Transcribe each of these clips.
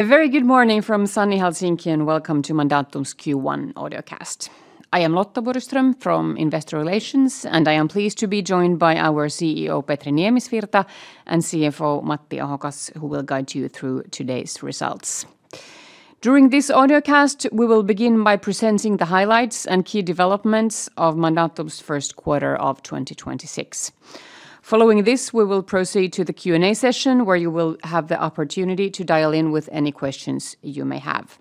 A very good morning from sunny Helsinki, and welcome to Mandatum's Q1 audiocast. I am Lotta Borgström from Investor Relations, and I am pleased to be joined by our CEO, Petri Niemisvirta, and CFO, Matti Ahokas, who will guide you through today's results. During this audiocast, we will begin by presenting the highlights and key developments of Mandatum's first quarter of 2026. Following this, we will proceed to the Q&A session, where you will have the opportunity to dial in with any questions you may have.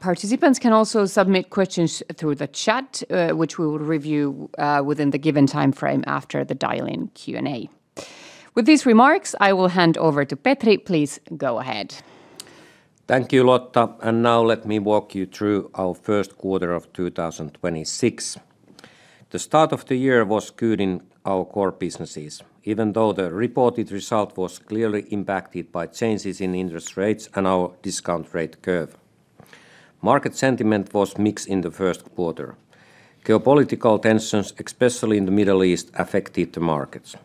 Participants can also submit questions through the chat, which we will review within the given timeframe after the dial-in Q&A. With these remarks, I will hand over to Petri. Please go ahead. Thank you, Lotta. Now let me walk you through our first quarter of 2026. The start of the year was good in our core businesses, even though the reported result was clearly impacted by changes in interest rates and our discount rate curve. Market sentiment was mixed in the first quarter. Geopolitical tensions, especially in the Middle East, affected the markets.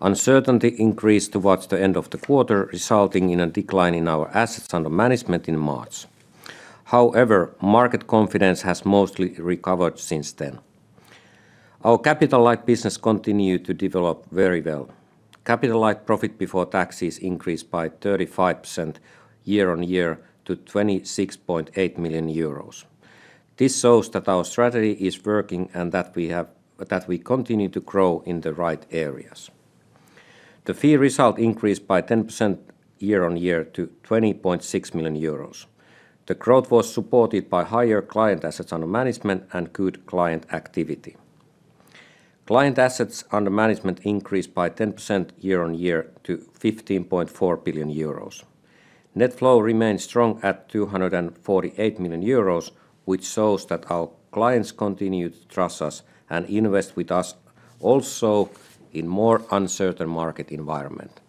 Uncertainty increased towards the end of the quarter, resulting in a decline in our assets under management in March. However, market confidence has mostly recovered since then. Our capital-light business continued to develop very well. Capital-light profit before taxes increased by 35% year-on-year to 26.8 million euros. This shows that our strategy is working and that we continue to grow in the right areas. The fee result increased by 10% year on year to 20.6 million euros. The growth was supported by higher client assets under management and good client activity. Client assets under management increased by 10% year on year to 15.4 billion euros. Net flow remains strong at 248 million euros, which shows that our clients continue to trust us and invest with us also in more uncertain market environment.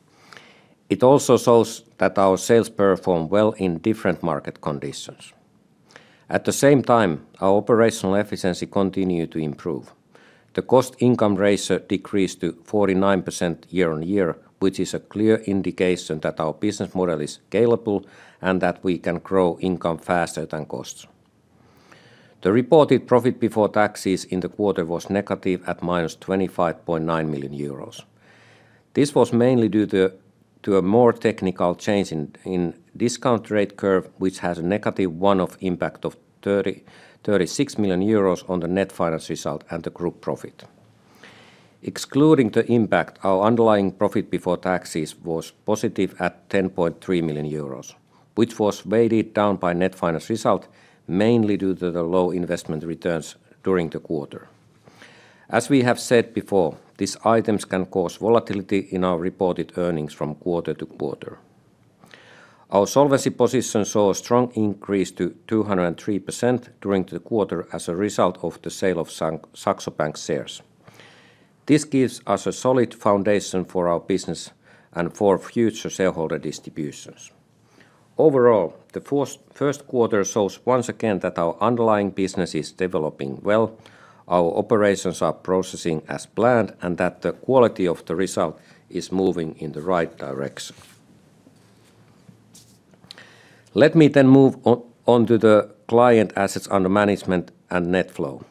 It also shows that our sales perform well in different market conditions. At the same time, our operational efficiency continued to improve. The cost-income ratio decreased to 49% year on year, which is a clear indication that our business model is scalable and that we can grow income faster than costs. The reported profit before taxes in the quarter was negative at minus 25.9 million euros. This was mainly due to a more technical change in discount rate curve, which has a negative one-off impact of 36 million euros on the net finance result and the group profit. Excluding the impact, our underlying profit before taxes was positive at 10.3 million euros, which was weighted down by net finance result, mainly due to the low investment returns during the quarter. As we have said before, these items can cause volatility in our reported earnings from quarter to quarter. Our solvency position saw a strong increase to 203% during the quarter as a result of the sale of Saxo Bank shares. This gives us a solid foundation for our business and for future shareholder distributions. Overall, the first quarter shows once again that our underlying business is developing well, our operations are progressing as planned, and that the quality of the result is moving in the right direction. Let me move on to the client assets under management and net flow.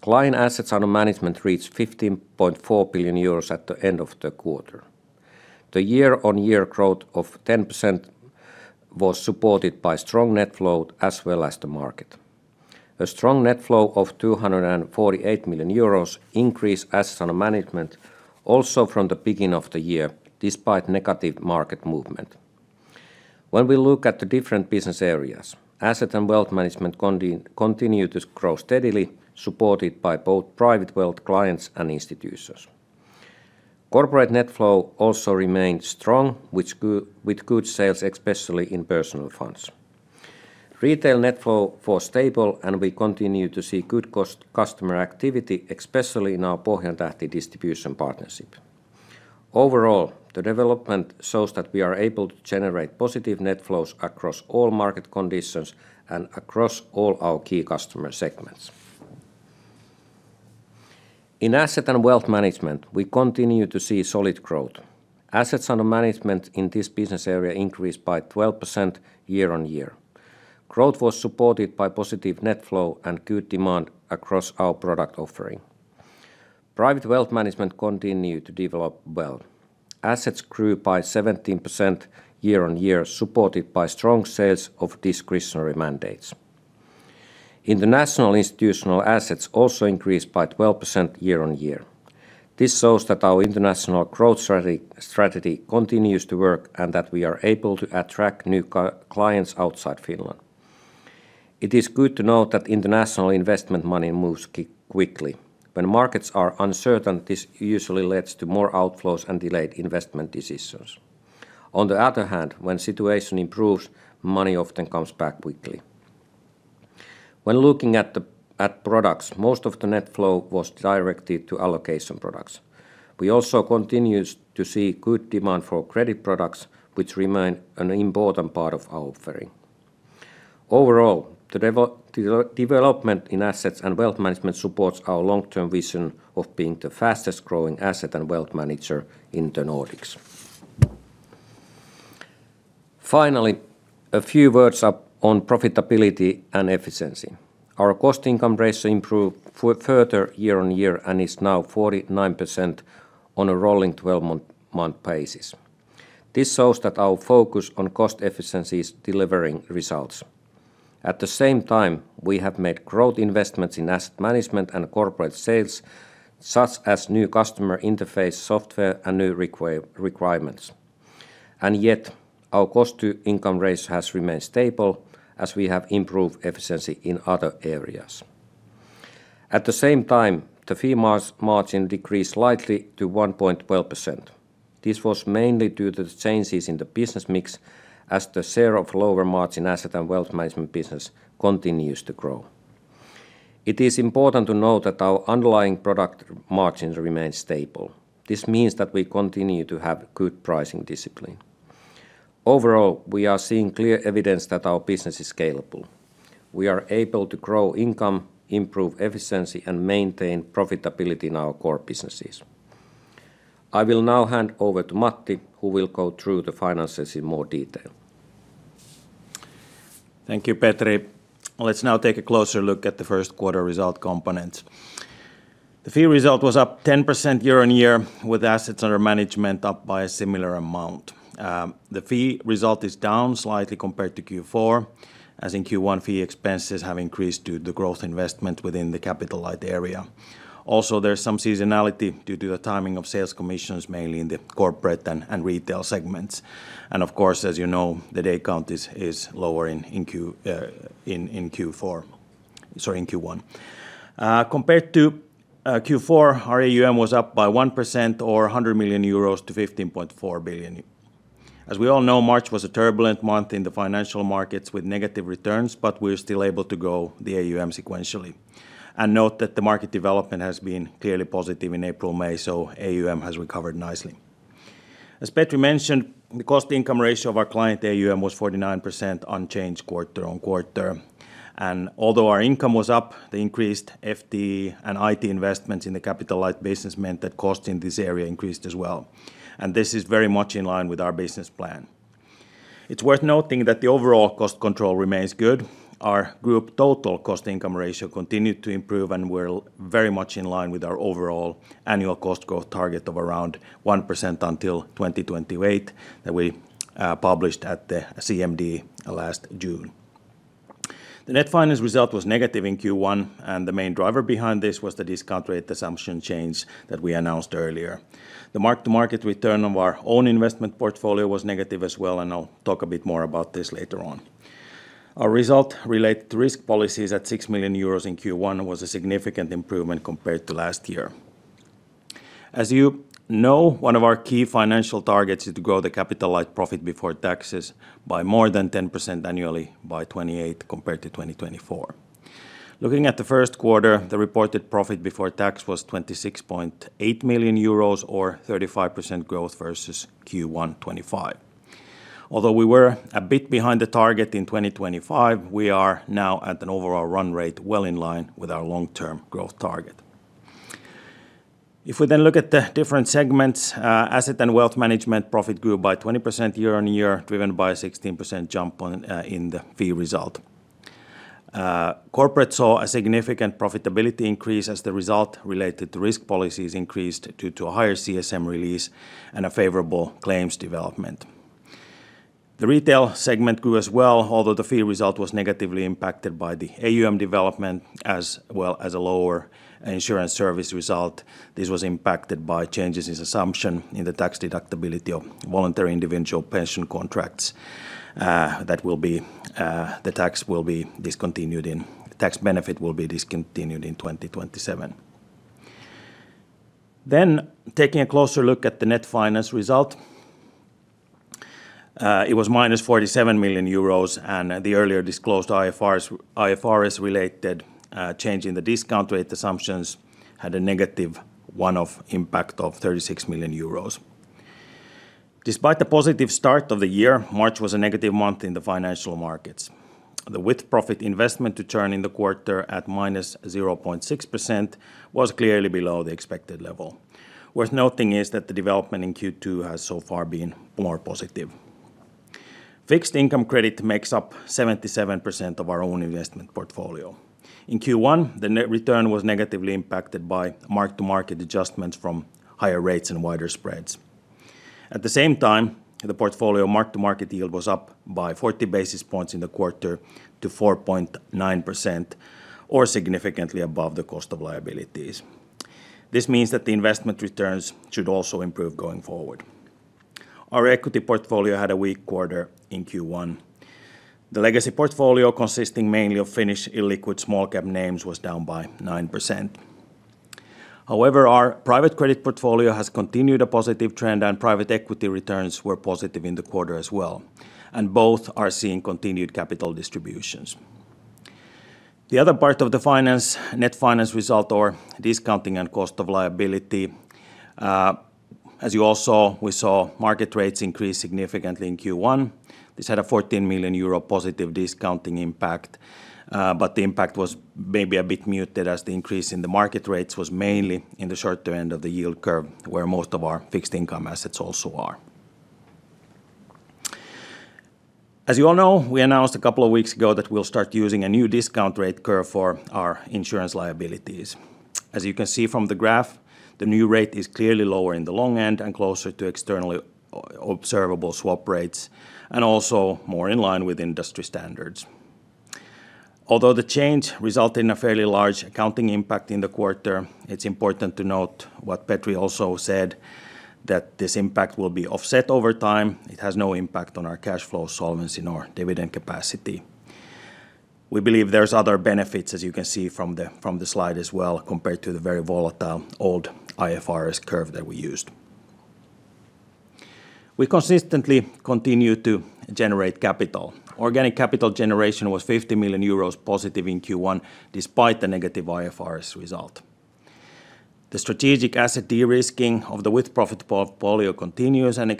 Client assets under management reached 15.4 billion euros at the end of the quarter. The year-over-year growth of 10% was supported by strong net flow as well as the market. A strong net flow of 248 million euros increased assets under management also from the beginning of the year, despite negative market movement. When we look at the different business areas, Asset and wealth management continue to grow steadily, supported by both private wealth clients and institutions. Corporate net flow also remained strong, with good sales, especially in personal funds. Retail net flow was stable, and we continue to see good customer activity, especially in our Pohjantähti distribution partnership. Overall, the development shows that we are able to generate positive net flows across all market conditions and across all our key customer segments. In asset and wealth management, we continue to see solid growth. Assets under management in this business area increased by 12% year on year. Growth was supported by positive net flow and good demand across our product offering. Private wealth management continued to develop well. Assets grew by 17% year on year, supported by strong sales of discretionary mandates. International institutional assets also increased by 12% year on year. This shows that our international growth strategy continues to work and that we are able to attract new clients outside Finland. It is good to note that international investment money moves quickly. When markets are uncertain, this usually leads to more outflows and delayed investment decisions. On the other hand, when situation improves, money often comes back quickly. When looking at products, most of the net flow was directed to allocation products. We also continues to see good demand for credit products, which remain an important part of our offering. Overall, the development in assets and wealth management supports our long-term vision of being the fastest-growing asset and wealth manager in the Nordics. Finally, a few words up on profitability and efficiency. Our cost-income ratio improved further year on year and is now 49% on a rolling 12-month basis. This shows that our focus on cost efficiency is delivering results. At the same time, we have made growth investments in asset management and corporate sales, such as new customer interface software and new requirements. Yet our cost-income ratio has remained stable as we have improved efficiency in other areas. At the same time, the fee margin decreased slightly to 1.12%. This was mainly due to the changes in the business mix, as the share of lower margin asset and wealth management business continues to grow. It is important to note that our underlying product margins remain stable. This means that we continue to have good pricing discipline. Overall, we are seeing clear evidence that our business is scalable. We are able to grow income, improve efficiency, and maintain profitability in our core businesses. I will now hand over to Matti, who will go through the finances in more detail. Thank you, Petri. Let's now take a closer look at the first quarter result components. The fee result was up 10% year on year with assets under management up by a similar amount. The fee result is down slightly compared to Q4, as in Q1, fee expenses have increased due to growth investment within the capital-light area. There's some seasonality due to the timing of sales commissions, mainly in the corporate and retail segments. Of course, as you know, the day count is lower in Q4 Sorry, in Q1. Compared to Q4, our AUM was up by 1% or 100 million euros to 15.4 billion. As we all know, March was a turbulent month in the financial markets with negative returns, we're still able to grow the AUM sequentially. Note that the market development has been clearly positive in April, May, so AUM has recovered nicely. As Petri mentioned, the cost-income ratio of our client AUM was 49% unchanged quarter-on-quarter. Although our income was up, the increased FTE and IT investments in the capitalized business meant that costs in this area increased as well, and this is very much in line with our business plan. It's worth noting that the overall cost control remains good. Our group total cost-income ratio continued to improve, and we're very much in line with our overall annual cost growth target of around 1% until 2028 that we published at the CMD last June. The net finance result was negative in Q1, the main driver behind this was the discount rate assumption change that we announced earlier. The mark to market return of our own investment portfolio was negative as well. I'll talk a bit more about this later on. Our result related to risk policies at 6 million euros in Q1 was a significant improvement compared to last year. As you know, one of our key financial targets is to grow the capitalized profit before taxes by more than 10% annually by 2028 compared to 2024. Looking at the first quarter, the reported profit before tax was 26.8 million euros or 35% growth versus Q1 2025. Although we were a bit behind the target in 2025, we are now at an overall run rate well in line with our long-term growth target. If we then look at the different segments, asset and wealth management profit grew by 20% year-on-year, driven by a 16% jump on in the fee result. Corporate saw a significant profitability increase as the result related to risk policies increased due to a higher CSM release and a favorable claims development. The retail segment grew as well, although the fee result was negatively impacted by the AUM development as well as a lower insurance service result. This was impacted by changes in assumption in the tax deductibility of voluntary individual pension contracts, that will be, the tax benefit will be discontinued in 2027. Taking a closer look at the net finance result, it was -47 million euros and the earlier disclosed IFRS-related change in the discount rate assumptions had a negative one-off impact of 36 million euros. Despite the positive start of the year, March was a negative month in the financial markets. The with-profit investment return in the quarter at -0.6% was clearly below the expected level. Worth noting is that the development in Q2 has so far been more positive. Fixed income credit makes up 77% of our own investment portfolio. In Q1, the net return was negatively impacted by mark to market adjustments from higher rates and wider spreads. At the same time, the portfolio mark to market yield was up by 40 basis points in the quarter to 4.9% or significantly above the cost of liabilities. This means that the investment returns should also improve going forward. Our equity portfolio had a weak quarter in Q1. The legacy portfolio consisting mainly of Finnish illiquid small cap names was down by 9%. Our private credit portfolio has continued a positive trend, and private equity returns were positive in the quarter as well, and both are seeing continued capital distributions. The other part of the finance, net finance result or discounting and cost of liability, as you all saw, we saw market rates increase significantly in Q1. This had a 14 million euro positive discounting impact, but the impact was maybe a bit muted as the increase in the market rates was mainly in the shorter end of the yield curve where most of our fixed income assets also are. As you all know, we announced a couple of weeks ago that we'll start using a new discount rate curve for our insurance liabilities. As you can see from the graph, the new rate is clearly lower in the long end and closer to externally observable swap rates, and also more in line with industry standards. Although the change resulted in a fairly large accounting impact in the quarter, it's important to note what Petri also said, that this impact will be offset over time. It has no impact on our cash flow solvency nor dividend capacity. We believe there's other benefits, as you can see from the slide as well, compared to the very volatile old IFRS curve that we used. We consistently continue to generate capital. Organic capital generation was 50 million euros positive in Q1 despite the negative IFRS result. The strategic asset de-risking of the with-profit portfolio continues and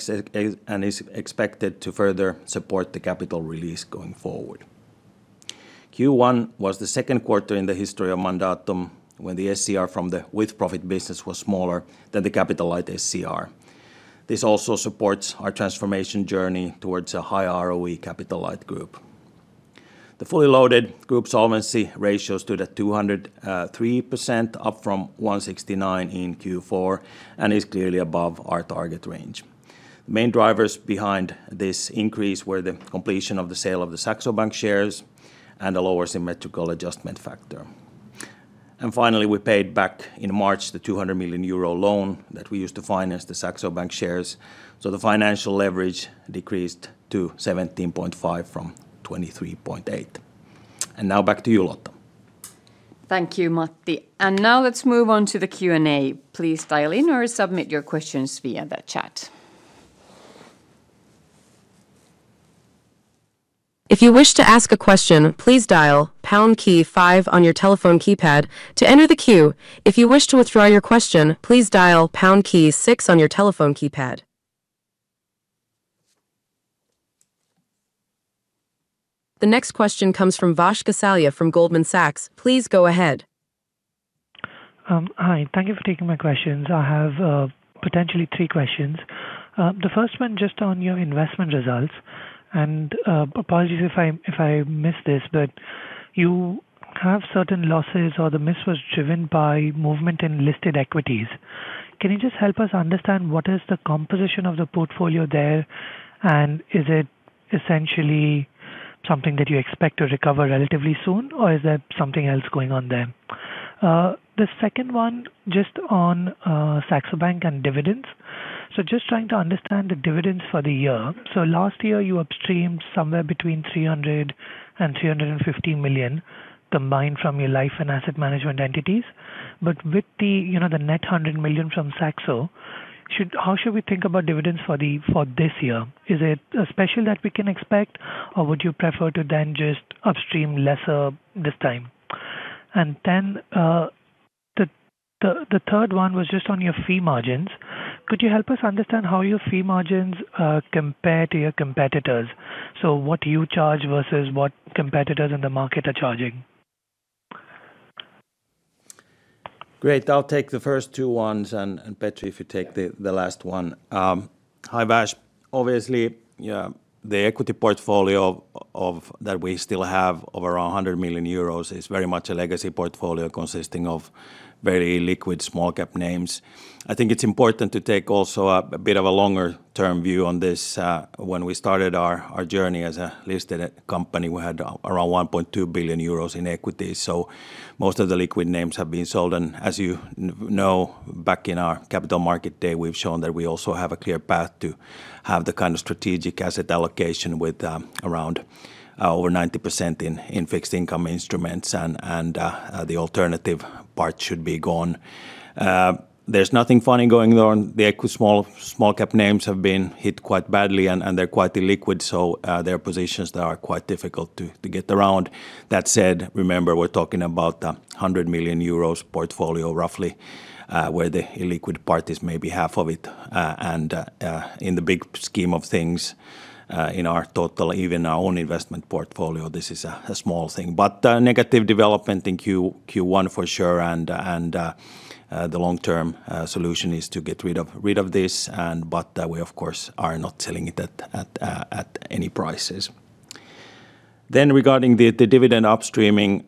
is expected to further support the capital release going forward. Q1 was the second quarter in the history of Mandatum when the SCR from the with-profit business was smaller than the Capital Light SCR. This also supports our transformation journey towards a high ROE Capital Light group. The fully loaded group solvency ratio stood at 203%, up from 169 in Q4, and is clearly above our target range. The main drivers behind this increase were the completion of the sale of the Saxo Bank shares and the lower symmetrical adjustment factor. Finally, we paid back in March the 200 million euro loan that we used to finance the Saxo Bank shares, so the financial leverage decreased to 17.5 from 23.8. Now back to you, Lotta. Thank you, Matti. Now let's move on to the Q&A. Please dial in or submit your questions via the chat. The next question comes from Vash Gosalia from Goldman Sachs. Please go ahead. Hi. Thank you for taking my questions. I have potentially three questions. The first one just on your investment results, and apologies if I missed this, but you have certain losses or the miss was driven by movement in listed equities. Can you just help us understand what is the composition of the portfolio there, and is it essentially something that you expect to recover relatively soon, or is there something else going on there? The second one, just on Saxo Bank and dividends. Just trying to understand the dividends for the year. Last year, you upstreamed somewhere between 300 million-350 million combined from your life and asset management entities. With the, you know, the net 100 million from Saxo, how should we think about dividends for this year? Is it a special that we can expect, or would you prefer to then just upstream lesser this time? Then, the third one was just on your fee margins. Could you help us understand how your fee margins compare to your competitors? What you charge versus what competitors in the market are charging. Great. I'll take the first two ones, and Petri, if you take the last one. Hi, Vash. Obviously, the equity portfolio of, that we still have of around 100 million euros is very much a legacy portfolio consisting of very liquid small cap names. I think it's important to take also a bit of a longer-term view on this. When we started our journey as a listed company, we had around 1.2 billion euros in equity. Most of the liquid names have been sold. As you know, back in our capital market day, we've shown that we also have a clear path to have the kind of strategic asset allocation with around over 90% in fixed income instruments and the alternative part should be gone. There's nothing funny going on. The equity small cap names have been hit quite badly. They're quite illiquid, there are positions that are quite difficult to get around. That said, remember, we're talking about a 100 million euros portfolio roughly, where the illiquid part is maybe half of it. In the big scheme of things, in our total, even our own investment portfolio, this is a small thing. A negative development in Q1 for sure. The long-term solution is to get rid of this. We of course are not selling it at any prices. Regarding the dividend upstreaming,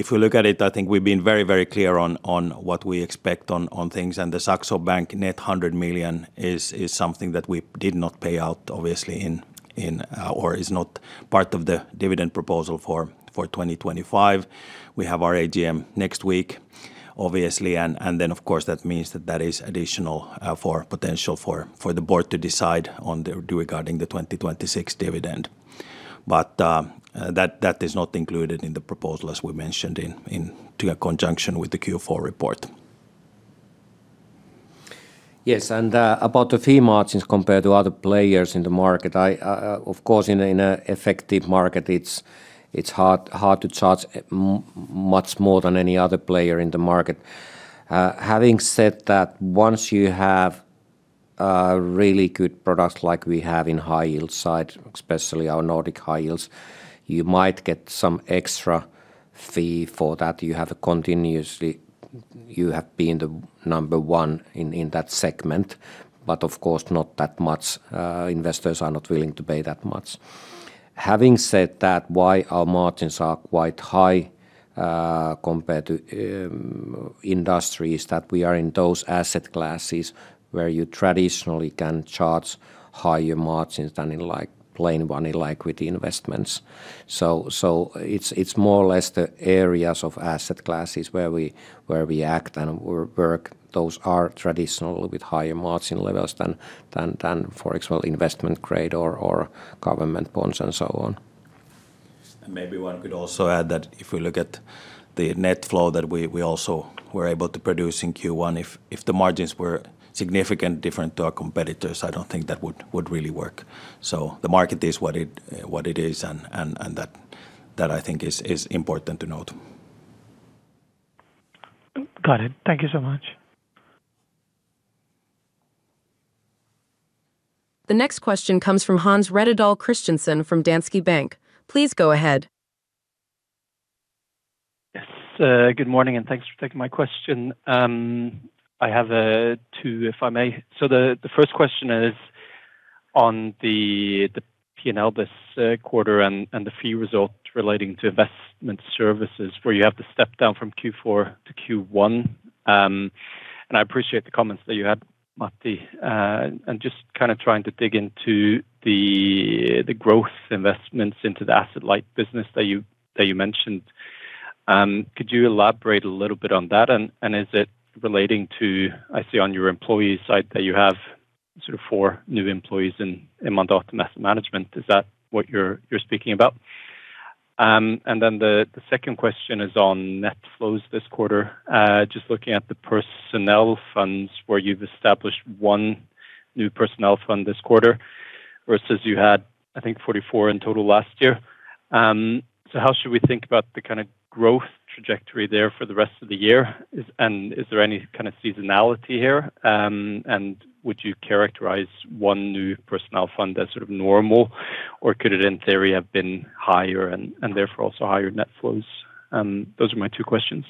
if we look at it, I think we've been very clear on what we expect on things, and the Saxo Bank net 100 million is something that we did not pay out obviously in or is not part of the dividend proposal for 2025. We have our AGM next week obviously, and then of course that means that that is additional for potential for the board to decide regarding the 2026 dividend. That is not included in the proposal as we mentioned in conjunction with the Q4 report. Yes, about the fee margins compared to other players in the market, of course, in a effective market, it's hard to charge much more than any other player in the market. Having said that, once you have a really good product like we have in high yield side, especially our Nordic High Yield, you might get some extra fee for that. You have been the number one in that segment, but of course not that much, investors are not willing to pay that much. Having said that, why our margins are quite high, compared to industries that we are in those asset classes where you traditionally can charge higher margins than in like plain money liquidity investments. It's more or less the areas of asset classes where we act and work. Those are traditional with higher margin levels than, for example, investment grade or government bonds and so on. Maybe one could also add that if we look at the net flow that we also were able to produce in Q1, if the margins were significantly different to our competitors, I don't think that would really work. The market is what it is and that I think is important to note. Got it. Thank you so much. The next question comes from Hans Rettedal Christiansen from Danske Bank. Please go ahead. Yes. Good morning, and thanks for taking my question. I have two, if I may. The first question is on the P&L this quarter and the fee results relating to investment services where you have the step down from Q4 to Q1. I appreciate the comments that you had, Matti. Just kind of trying to dig into the growth investments into the asset light business that you mentioned. Could you elaborate a little bit on that? Is it relating to I see on your employee side that you have sort of four new employees in Mandatum Asset Management. Is that what you're speaking about? Then the second question is on net flows this quarter. Just looking at the personal funds where you've established one new personal fund this quarter versus you had, I think, 44 in total last year. How should we think about the kind of growth trajectory there for the rest of the year? Is there any kind of seasonality here? Would you characterize one new personal fund as sort of normal, or could it, in theory, have been higher and therefore also higher net flows? Those are my two questions.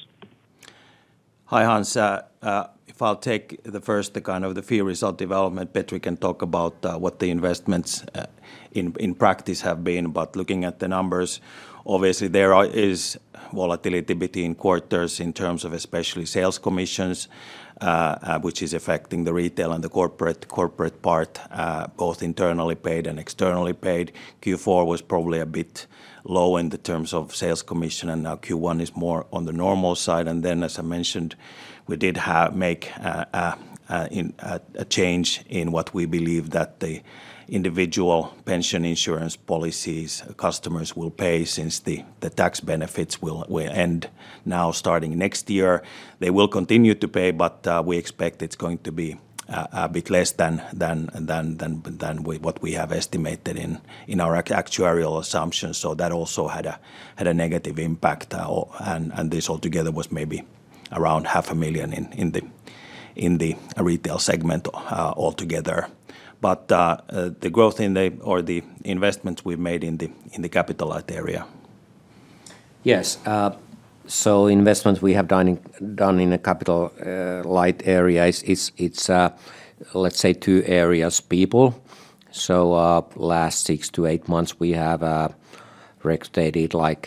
Hi, Hans. If I'll take the first, the kind of the fee result development, Petri can talk about what the investments in practice have been. Looking at the numbers, obviously there is volatility between quarters in terms of especially sales commissions, which is affecting the retail and the corporate part, both internally paid and externally paid. Q4 was probably a bit low in the terms of sales commission, and now Q1 is more on the normal side. As I mentioned, we did make a change in what we believe that the individual pension insurance policies customers will pay since the tax benefits will end now starting next year. They will continue to pay, we expect it's going to be a bit less than what we have estimated in our actuarial assumptions. That also had a negative impact. This altogether was maybe around 0.5 million in the retail segment altogether. The growth in the or the investments we've made in the capital-light area. Yes. Investments we have done in a capital-light area is it's, let's say two areas people. Last six to eight months, we have recruited like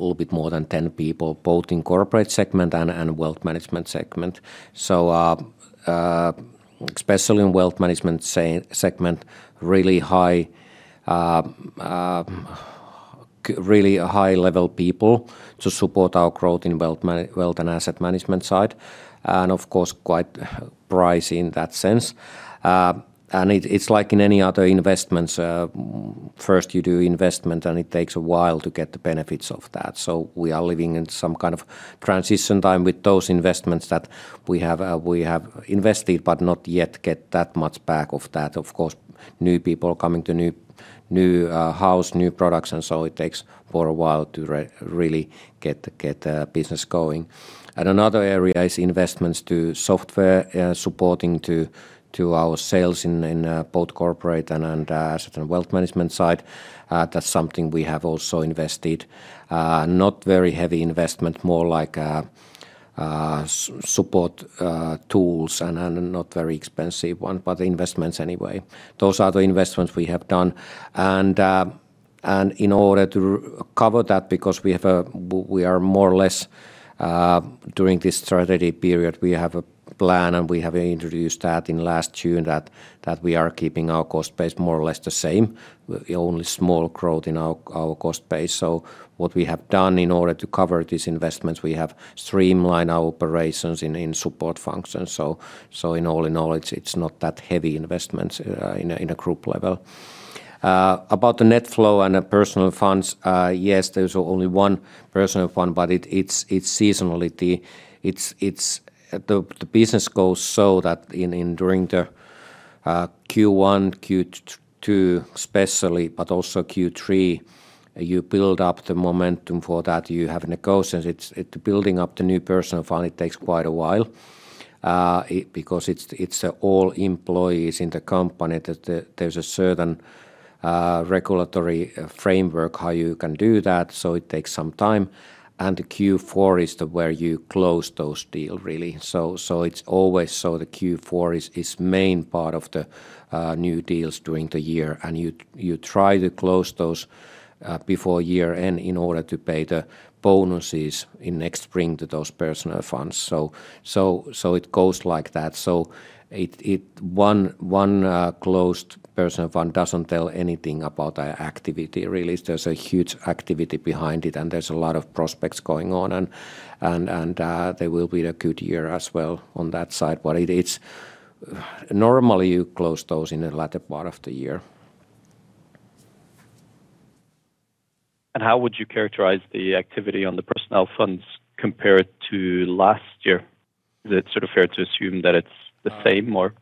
a little bit more than 10 people, both in corporate segment and wealth management segment. Especially in wealth management segment, really high, really high level people to support our growth in wealth and asset management side, of course, quite pricey in that sense. It, it's like in any other investments, first you do investment, it takes a while to get the benefits of that. We are living in some kind of transition time with those investments that we have invested but not yet get that much back of that. Of course, new people coming to new house, new products, it takes for a while to really get the business going. Another area is investments to software, supporting to our sales in both corporate and certain wealth management side. That's something we have also invested. Not very heavy investment, more like support tools and not very expensive one, but investments anyway. Those are the investments we have done. In order to cover that, because we are more or less, during this strategy period, we have a plan, we have introduced that in last June that we are keeping our cost base more or less the same. The only small growth in our cost base. What we have done in order to cover these investments, we have streamlined our operations in support functions. In all in all, it's not that heavy investments, in a group level. About the net flow and the personal funds, yes, there's only 1 personal fund, but it's seasonality. It's the business goes so that during the Q1, Q2 especially, but also Q3, you build up the momentum for that. You have negotiations. Building up the new personal fund, it takes quite a while because it's all employees in the company that there's a certain regulatory framework how you can do that, so it takes some time. Q4 is the where you close those deal really. It's always the Q4 is main part of the new deals during the year, and you try to close those before year end in order to pay the bonuses in next spring to those personal funds. It goes like that. One closed personal fund doesn't tell anything about our activity really. There's a huge activity behind it, and there's a lot of prospects going on and there will be a good year as well on that side. It's Normally you close those in the latter part of the year. How would you characterize the activity on the Personal Funds compared to last year? Is it sort of fair to assume that it's the same or?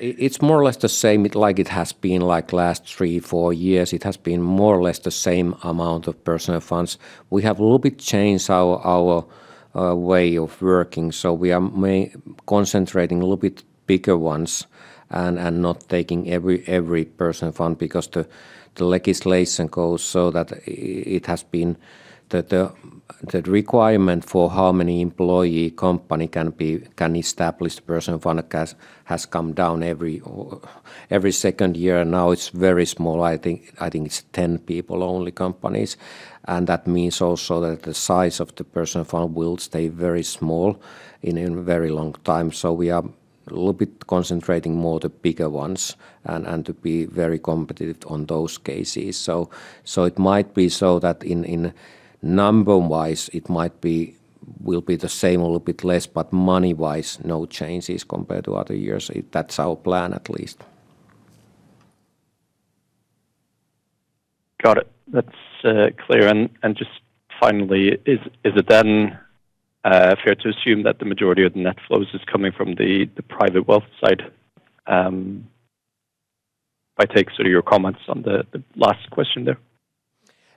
It's more or less the same. It has been like last three, four years. It has been more or less the same amount of personal funds. We have a little bit changed our way of working, so we are concentrating a little bit bigger ones and not taking every personal fund because the legislation goes so that it has been The requirement for how many employee company can be, can establish personal fund has come down every second year. Now it's very small. I think it's 10 people only companies, that means also that the size of the personal fund will stay very small in a very long time. We are a little bit concentrating more the bigger ones and to be very competitive on those cases. It might be so that in number-wise it will be the same or a little bit less, but money-wise, no changes compared to other years. That's our plan at least. Got it. That's clear. Just finally, is it then fair to assume that the majority of the net flows is coming from the private wealth side, by take sort of your comments on the last question there?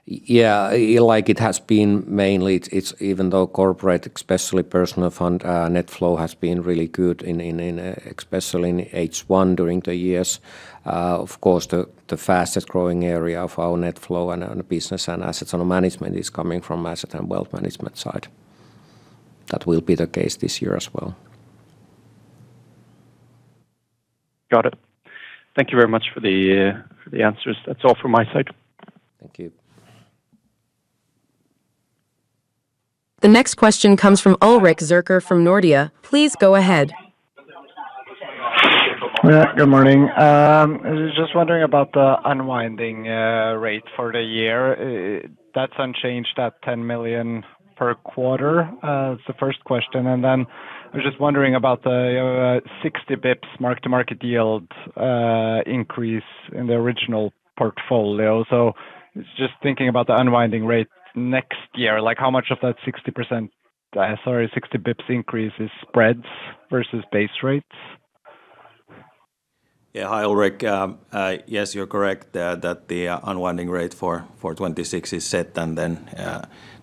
Yeah. Like it has been mainly it's even though corporate, especially Personal Fund, net flow has been really good in, in, especially in H1 during the years. Of course, the fastest growing area of our net flow and on the business and assets under management is coming from asset and wealth management side. That will be the case this year as well. Got it. Thank you very much for the for the answers. That is all from my side. Thank you. The next question comes from Ulrik Årdal Zürcher from Nordea. Please go ahead. Yeah, good morning. I was just wondering about the unwinding rate for the year. That's unchanged at 10 million per quarter. That's the first question. I was just wondering about the 60 bps mark-to-market yield increase in the original portfolio. Just thinking about the unwinding rate next year, like how much of that 60%, sorry, 60 bps increase is spreads versus base rates? Yeah. Hi, Ulrik. Yes, you're correct that the unwinding rate for '26 is set, then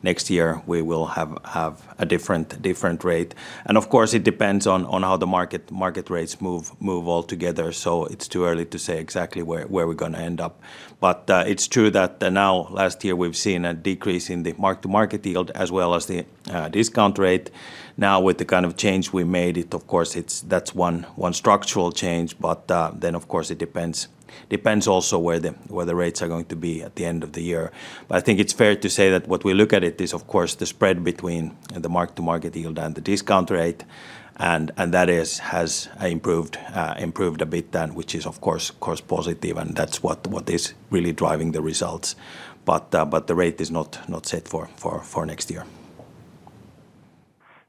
next year we will have a different rate. Of course, it depends on how the market rates move all together, so it's too early to say exactly where we're gonna end up. It's true that now last year we've seen a decrease in the mark-to-market yield as well as the discount rate. Now with the kind of change we made it, of course, that's 1 structural change, of course it depends also where the rates are going to be at the end of the year. I think it's fair to say that what we look at it is of course the spread between the mark-to-market yield and the discount rate, that has improved a bit then which is positive, and that's what is really driving the results. The rate is not set for next year.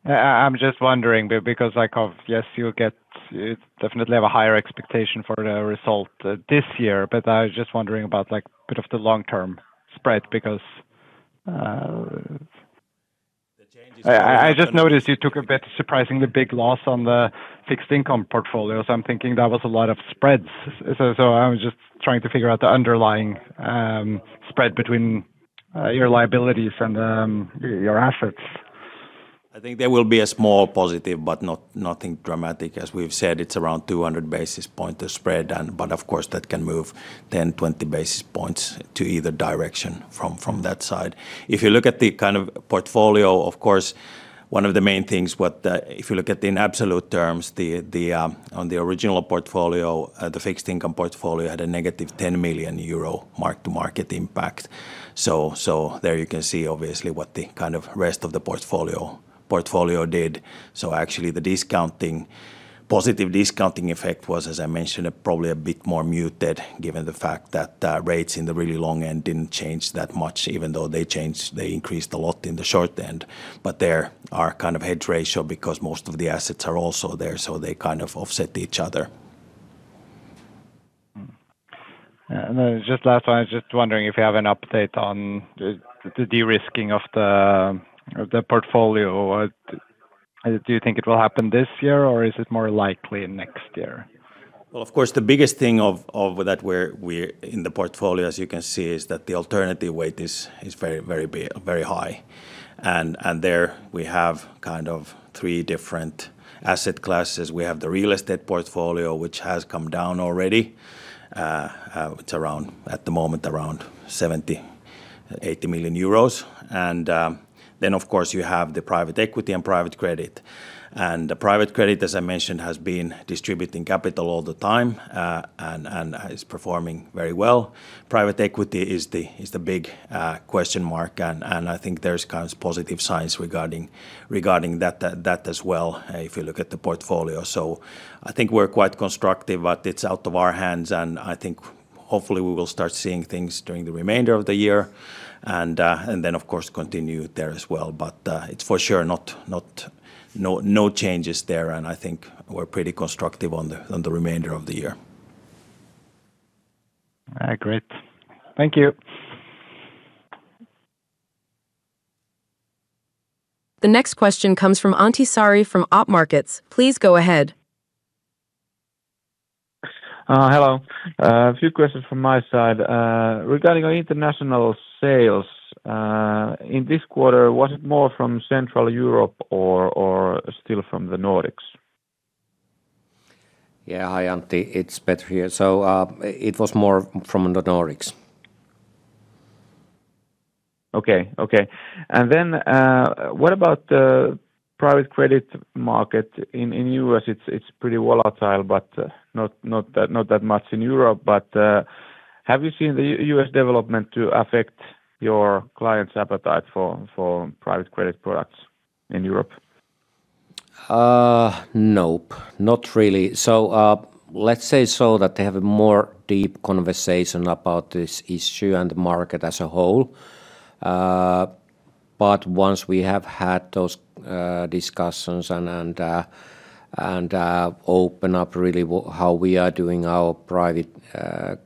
I'm just wondering because like of, yes, you'll get, definitely have a higher expectation for the result this year. I was just wondering about like bit of the long-term spread because. The changes- I just noticed you took a bit surprisingly big loss on the fixed income portfolio, so I'm thinking that was a lot of spreads. I was just trying to figure out the underlying spread between your liabilities and your assets. I think there will be a small positive but nothing dramatic. As we've said, it's around 200 basis points the spread. Of course that can move 10, 20 basis points to either direction from that side. If you look at the kind of portfolio, of course, one of the main things what, if you look at in absolute terms, the, on the original portfolio, the fixed income portfolio had a negative 10 million euro mark-to-market impact. There you can see obviously what the kind of rest of the portfolio did. Actually the positive discounting effect was, as I mentioned, probably a bit more muted given the fact that the rates in the really long end didn't change that much even though they increased a lot in the short end. There are kind of hedge ratio because most of the assets are also there, so they kind of offset each other. Yeah. No, just last one. I was just wondering if you have an update on the de-risking of the portfolio. What do you think it will happen this year, or is it more likely next year? Well, of course, the biggest thing of that we're in the portfolio, as you can see, is that the alternative weight is very big, very high. There we have kind of three different asset classes. We have the real estate portfolio which has come down already. It's around, at the moment, around 70 million, 80 million euros. Then of course you have the private equity and private credit. The private credit, as I mentioned, has been distributing capital all the time, and is performing very well. Private equity is the big question mark, and I think there's kind of positive signs regarding that as well, if you look at the portfolio. I think we're quite constructive, but it's out of our hands, and I think hopefully we will start seeing things during the remainder of the year and then of course continue there as well. It's for sure not no changes there, and I think we're pretty constructive on the remainder of the year. All right, great. Thank you. The next question comes from Antti Saari from OP Markets. Please go ahead. Hello. A few questions from my side. Regarding our international sales, in this quarter, was it more from Central Europe or still from the Nordics? Yeah. Hi, Antti. It's Petri here. It was more from the Nordics. Okay. Okay. What about the private credit market? In U.S. it's pretty volatile, but not that much in Europe. Have you seen the U.S. development to affect your clients' appetite for private credit products in Europe? Nope, not really. Let's say so that they have a more deep conversation about this issue and the market as a whole. Once we have had those discussions and open up really what how we are doing our private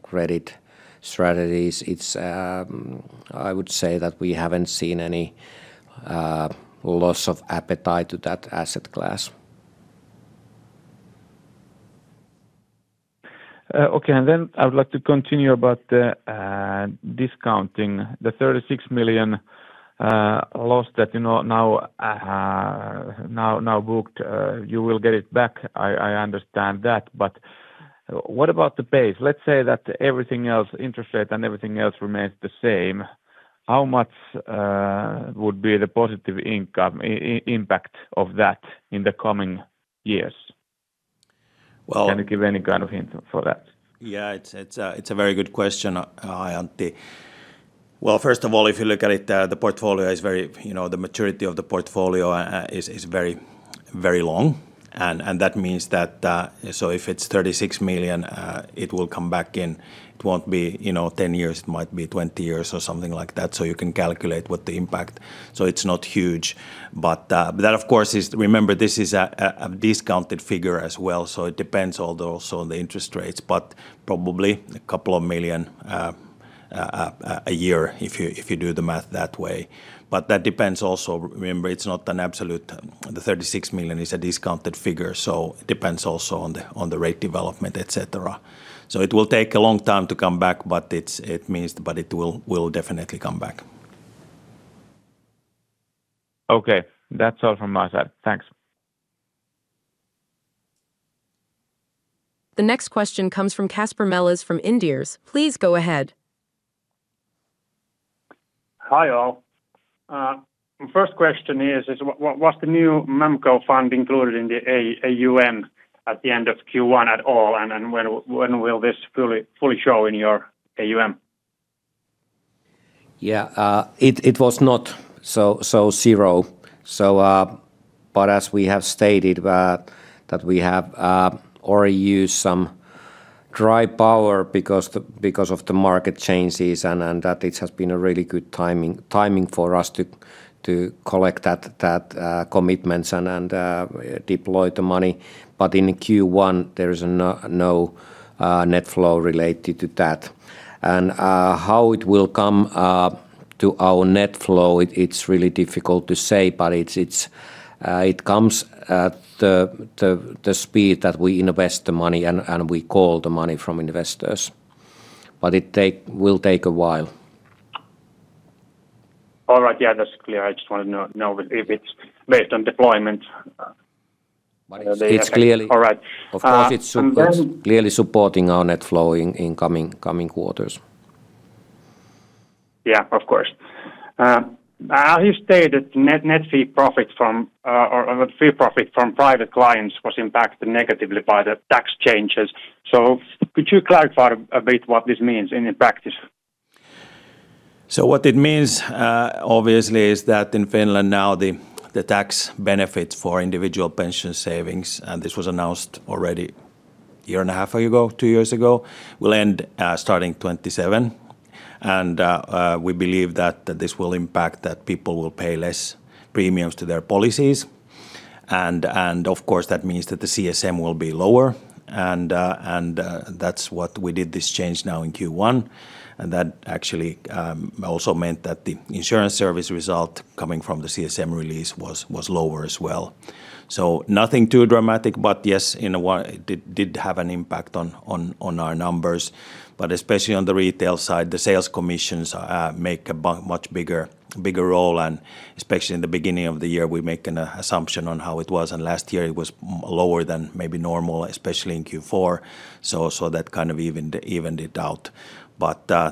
credit strategies, I would say that we haven't seen any loss of appetite to that asset class. Okay. I would like to continue about the discounting the 36 million loss that, you know, now booked. You will get it back, I understand that. What about the base? Let's say that everything else, interest rate and everything else remains the same. How much would be the positive income impact of that in the coming years? Well- Can you give any kind of hint for that? Yeah. It's, it's a, it's a very good question, Antti. Well, first of all, if you look at it, the portfolio is very you know, the maturity of the portfolio is very, very long. That means that, so if it's 36 million, it will come back in it won't be, you know, 10 years. It might be 20 years or something like that, you can calculate what the impact. It's not huge, but that of course is. Remember, this is a discounted figure as well, so it depends also on the interest rates, but probably 2 million a year if you do the math that way. That depends also. Remember, it's not an absolute. The 36 million is a discounted figure, so it depends also on the, on the rate development, et cetera. It will take a long time to come back, but it's it means but it will definitely come back. Okay. That's all from my side. Thanks. The next question comes from Kasper Mellas from Inderes. Please go ahead. Hi, all. First question is, was the new MAMCO II included in the AUM at the end of Q1 at all, and then when will this fully show in your AUM? It was not so zero. As we have stated that we have already used some dry powder because of the market changes and that it has been a really good timing for us to collect that commitments and deploy the money. In Q1, there is no net flow related to that. How it will come to our net flow, it is really difficult to say, but it is it comes at the speed that we invest the money and we call the money from investors. It will take a while. All right. Yeah. That's clear. I just wanted to know if it's based on deployment. But it's clearly- All right. Of course, it's clearly supporting our net flow in coming quarters. Yeah, of course. You stated fee profit from private clients was impacted negatively by the tax changes. Could you clarify a bit what this means in practice? What it means, obviously, is that in Finland now the tax benefit for individual pension savings, and this was announced already a year and a half ago, two years ago, will end, starting 2027. We believe that this will impact that people will pay less premiums to their policies. Of course, that means that the CSM will be lower. That's what we did this change now in Q1, and that actually also meant that the insurance service result coming from the CSM release was lower as well. Nothing too dramatic, but yes, in a way it did have an impact on our numbers. especially on the retail side, the sales commissions make a much bigger role, and especially in the beginning of the year, we make an assumption on how it was. last year it was lower than maybe normal, especially in Q4. that kind of evened it out.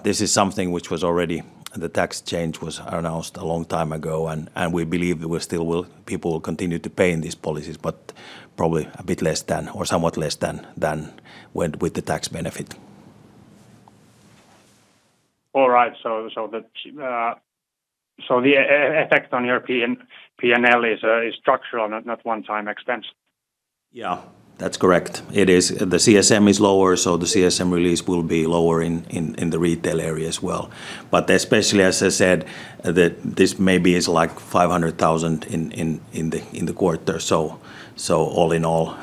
this is something which was already. The tax change was announced a long time ago, and we believe we still will. People will continue to pay in these policies, but probably a bit less than, or somewhat less than, with the tax benefit. All right. The effect on your P&L is structural, not one-time expense? Yeah, that's correct. It is. The CSM is lower, so the CSM release will be lower in the retail area as well. Especially as I said, this maybe is like 500,000 in the quarter, so all in all,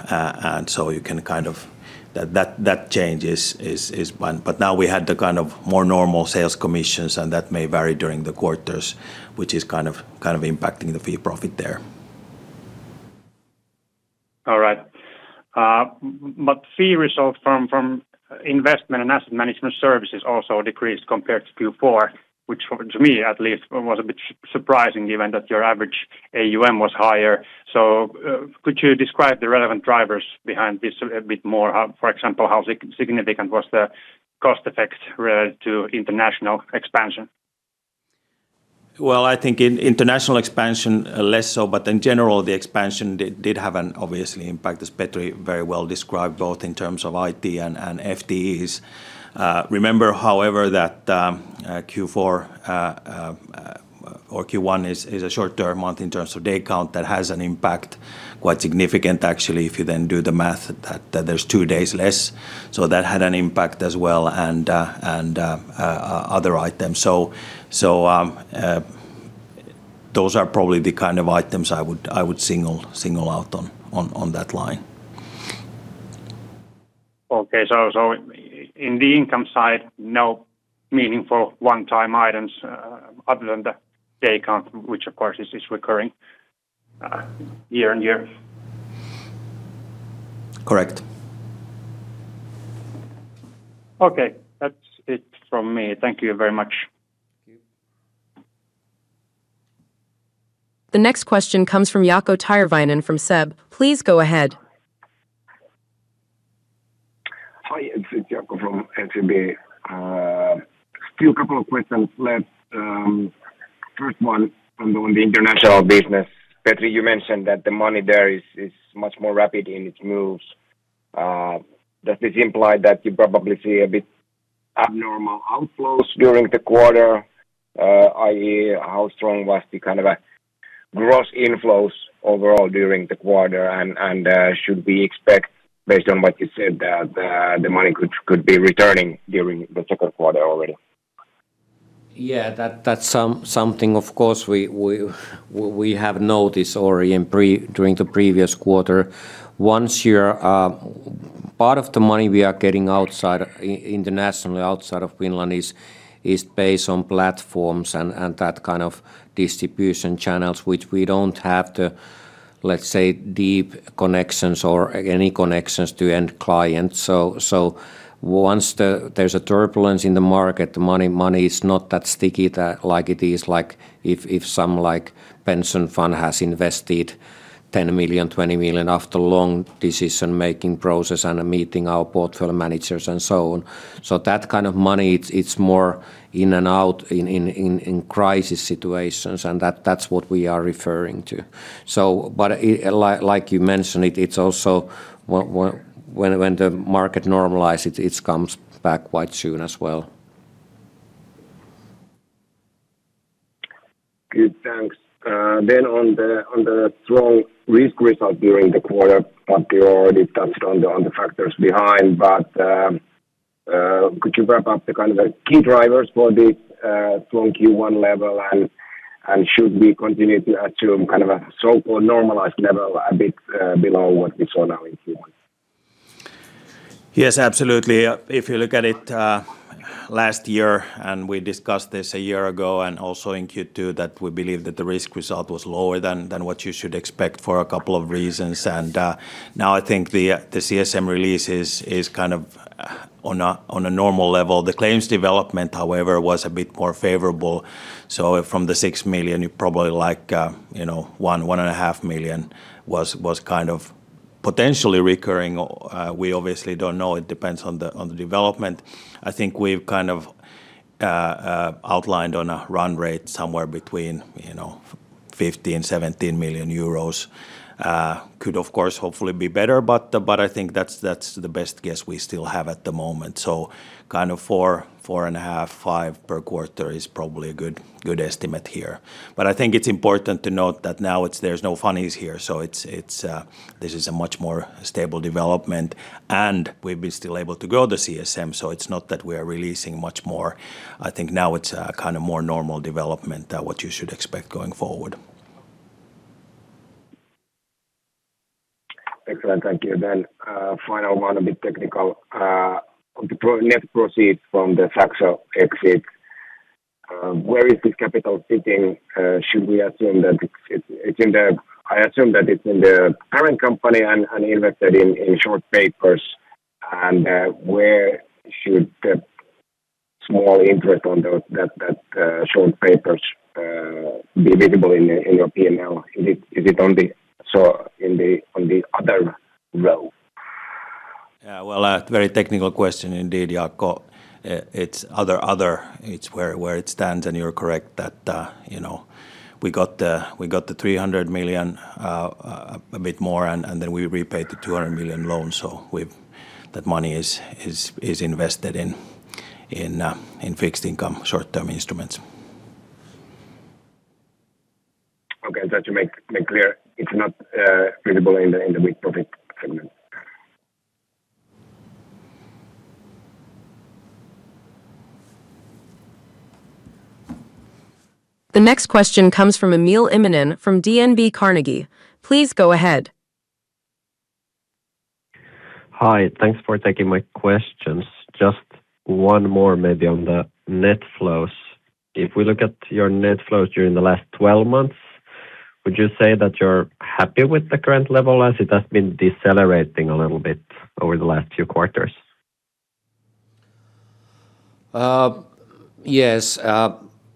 you can kind of that change is one. Now we had the kind of more normal sales commissions, and that may vary during the quarters, which is kind of impacting the fee profit there. All right. Fee result from investment and asset management services also decreased compared to Q4, which for, to me at least, was a bit surprising given that your average AUM was higher. Could you describe the relevant drivers behind this a bit more? How, for example, how significant was the cost effect related to international expansion? Well, I think in international expansion, less so, but in general, the expansion did have an obvious impact, as Petri very well described, both in terms of IT and FTEs. Remember, however, that Q4 or Q1 is a short term month in terms of day count. That has an impact, quite significant actually, if you then do the math, that there's two days less. That had an impact as well, and other items. Those are probably the kind of items I would single out on that line. In the income side, no meaningful one-time items, other than the day count, which of course is recurring, year on year? Correct. Okay. That's it from me. Thank you very much. Thank you. The next question comes from Jaakko Tyrväinen from SEB. Please go ahead. Hi, it's Jaakko from SEB. Still a couple of questions left. First one on the international business. Petri, you mentioned that the money there is much more rapid in its moves. Does this imply that you probably see a bit abnormal outflows during the quarter? i.e. how strong was the kind of a gross inflows overall during the quarter? Should we expect, based on what you said, that the money could be returning during the second quarter already? Yeah. That, that's something of course we have noticed already in pre, during the previous quarter. Once you're part of the money we are getting outside, internationally outside of Finland is based on platforms and that kind of distribution channels, which we don't have the, let's say, deep connections or any connections to end clients. Once there's a turbulence in the market, the money is not that sticky that, like it is, like if some pension fund has invested 10 million, 20 million after long decision-making process and meeting our portfolio managers and so on. That kind of money, it's more in and out in crisis situations, and that's what we are referring to. like you mentioned it's also when the market normalize, it's comes back quite soon as well. Good. Thanks. On the strong risk result during the quarter, Petri already touched on the factors behind, but could you wrap up the kind of the key drivers for the strong Q1 level, and should we continue to assume kind of a so-called normalized level a bit below what we saw now in Q1? Yes, absolutely. If you look at it, last year, and we discussed this a year ago and also in Q2, that we believe that the risk result was lower than what you should expect for a couple of reasons. Now I think the CSM release is kind of on a normal level. The claims development, however, was a bit more favorable. From the 6 million, you probably like, you know, one and a half million was kind of potentially recurring. We obviously don't know. It depends on the development. I think we've kind of outlined on a run rate somewhere between, you know, 15 million-17 million euros. Could of course hopefully be better, but I think that's the best guess we still have at the moment. Kind of 4.5 per quarter is probably a good estimate here. I think it's important to note that now there's no funnies here, so it's this is a much more stable development, and we've been still able to grow the CSM, so it's not that we are releasing much more. I think now it's a kind of more normal development, what you should expect going forward. Excellent. Thank you. Final one, a bit technical. On the net proceeds from the Saxo exit, where is this capital sitting? Should we assume that it's in the parent company and invested in short papers? Where should the small interest on those short papers be visible in your P&L? Is it on the other row? Yeah. Well, a very technical question indeed, Jaakko. It's other. It's where it stands, and you're correct that, you know, we got the 300 million a bit more, and then we repaid the 200 million loan. That money is invested in fixed income short-term instruments. Okay. Just to make clear, it's not visible in the big profit segment. The next question comes from Emil Immonen from DNB Carnegie. Please go ahead. Hi. Thanks for taking my questions. Just one more maybe on the net flows. If we look at your net flows during the last 12 months, would you say that you're happy with the current level as it has been decelerating a little bit over the last few quarters? Yes.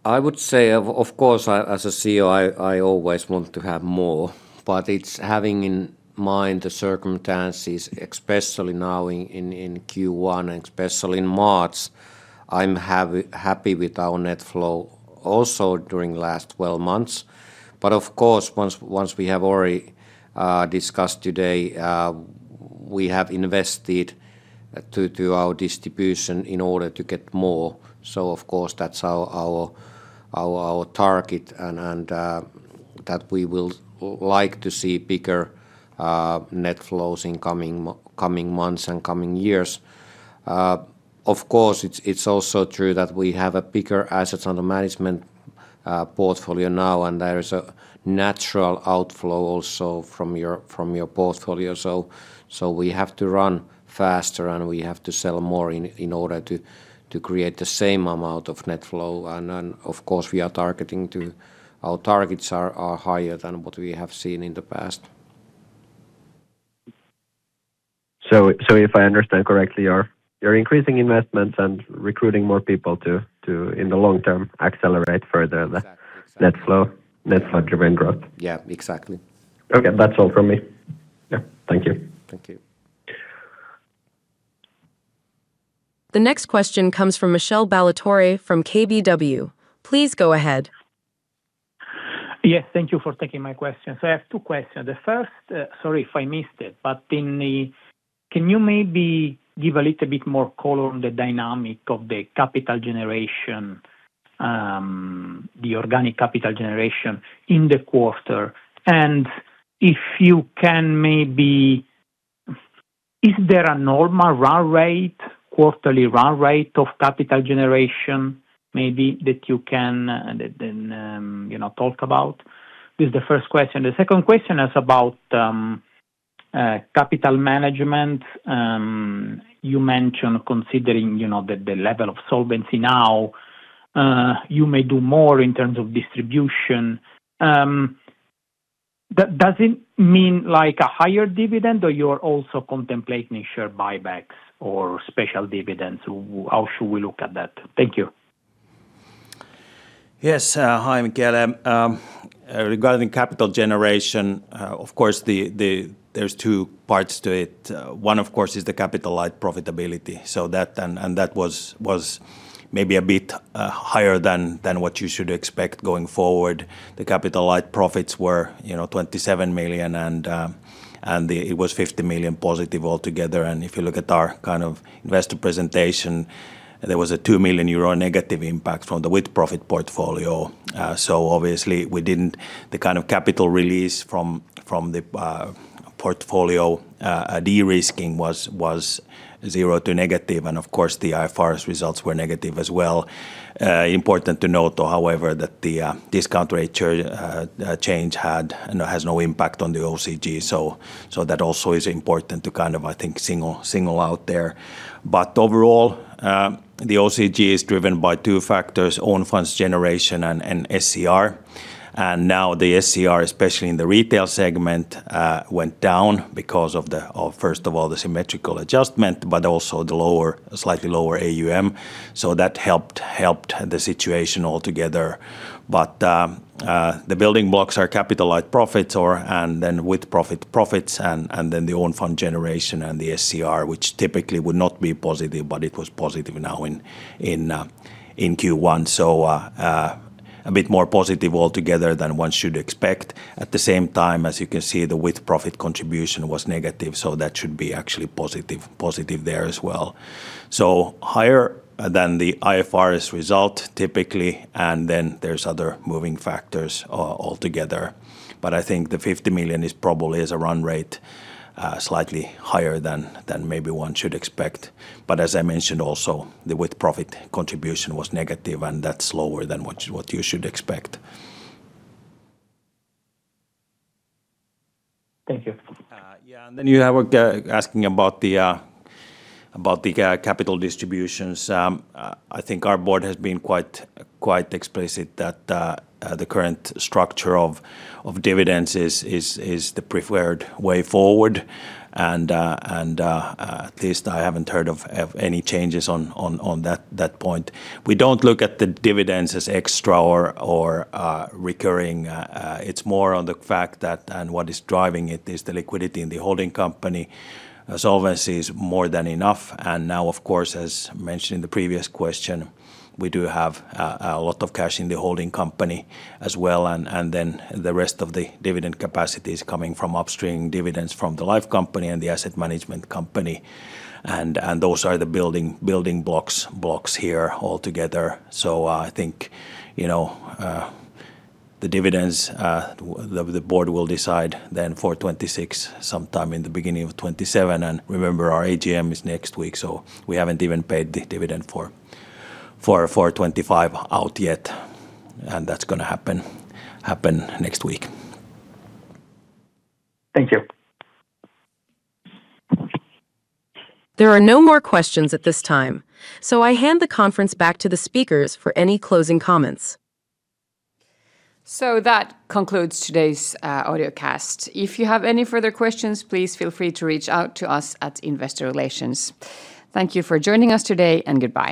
I would say of course as a CEO I always want to have more. It's having in mind the circumstances especially now in Q1 and especially in March I'm happy with our net flow also during last 12 months. Of course once we have already discussed today we have invested to our distribution in order to get more so of course that's our target and that we will like to see bigger net flows in coming months and coming years. Of course it's also true that we have a bigger assets under management portfolio now and there is a natural outflow also from your portfolio. we have to run faster and we have to sell more in order to create the same amount of net flow. Of course our targets are higher than what we have seen in the past. if I understand correctly, you're increasing investments and recruiting more people to, in the long term, accelerate further the- Exactly. net flow, net flow-driven growth. Yeah, exactly. Okay. That's all from me. Yeah. Thank you. Thank you. The next question comes from Michele Ballatore from KBW. Please go ahead. Yes, thank you for taking my question. I have two questions. The first, sorry if I missed it, but can you maybe give a little bit more color on the dynamic of the capital generation, the organic capital generation in the quarter? Is there a normal run rate, quarterly run rate of capital generation maybe that you can, you know, talk about? This is the first question. The second question is about capital management. You mentioned considering, you know, the level of solvency now, you may do more in terms of distribution. Does it mean like a higher dividend, or you're also contemplating share buybacks or special dividends? How should we look at that? Thank you. Yes. Hi, Michele. Regarding capital generation, of course there's two parts to it. One of course is the capital-light profitability. So that. That was maybe a bit higher than what you should expect going forward. The capital-light profits were, you know, 27 million and it was 50 million positive altogether. If you look at our kind of investor presentation, there was a 2 million euro negative impact from the with-profit portfolio. Obviously we didn't. The kind of capital release from the portfolio de-risking was zero to negative, and of course the IFRS results were negative as well. Important to note though, however, that the discount rate change had, you know, has no impact on the OCG, so that also is important to kind of, I think, single out there. Overall, the OCG is driven by two factors, own funds generation and SCR. Now the SCR, especially in the retail segment, went down because of the first of all the symmetrical adjustment, but also the lower, slightly lower AUM. That helped the situation altogether. The building blocks are capital-light profits and then with profit profits and then the own fund generation and the SCR, which typically would not be positive, but it was positive now in Q1. A bit more positive altogether than one should expect. At the same time, as you can see, the with-profit contribution was negative, so that should be actually positive there as well. Higher than the IFRS result typically, and then there's other moving factors altogether. I think the 50 million is probably a run rate slightly higher than maybe one should expect. As I mentioned also, the with-profit contribution was negative, and that's lower than what you should expect. Thank you. Yeah. Then you have asking about the capital distributions. I think our board has been quite explicit that the current structure of dividends is the preferred way forward and at least I haven't heard of any changes on that point. We don't look at the dividends as extra or recurring. It's more on the fact that and what is driving it is the liquidity in the holding company. Solvency is more than enough. Now of course, as mentioned in the previous question, we do have a lot of cash in the holding company as well and then the rest of the dividend capacity is coming from upstream dividends from the life company and the asset management company. Those are the building blocks here altogether. I think, you know, the dividends, the board will decide then for 2026, sometime in the beginning of 2027. Remember our AGM is next week, so we haven't even paid the dividend for 2025 out yet. That's gonna happen next week. Thank you. There are no more questions at this time, so I hand the conference back to the speakers for any closing comments. That concludes today's audio cast. If you have any further questions, please feel free to reach out to us at Investor Relations. Thank you for joining us today, and goodbye.